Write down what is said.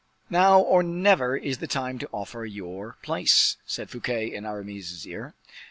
"Now or never is the time to offer your place," said Fouquet in Aramis's ear.